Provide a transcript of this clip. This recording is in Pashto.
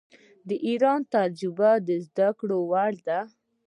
د ایران تجربه د زده کړې وړ ده.